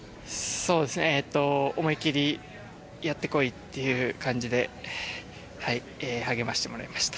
そうですねえっと思い切りやってこいっていう感じで励ましてもらいました。